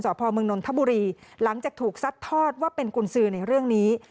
พมนนทบุรีหลังจากถูกซัดทอดว่าเป็นกุญสือในเรื่องนี้